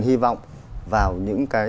hy vọng vào những cái